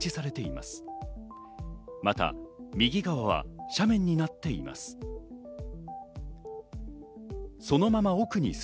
また右側は斜面になっています。